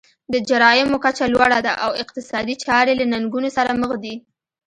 د جرایمو کچه لوړه ده او اقتصادي چارې له ننګونو سره مخ دي.